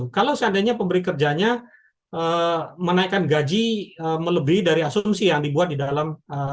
kalau seandainya pemberi kerjanya menaikkan gaji melebihi dari asumsi yang dibuat di dalam